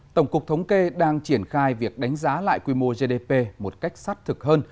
tổng cục thống kê đang triển khai việc đánh giá lại quy mô gdp một cách sát thực hơn